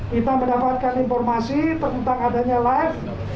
kita mendapatkan informasi tentang adanya live